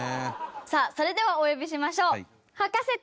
さあそれではお呼びしましょう。